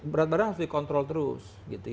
berat badan harus dikontrol terus